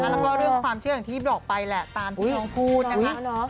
แล้วก็เรื่องความเชื่ออย่างที่บอกไปแหละตามที่น้องพูดนะคะ